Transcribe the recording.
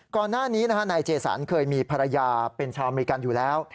ก่อนหน้านี้นายเจสันเคยมีภรรยาเป็นชาวอเมริกันอยู่แล้ว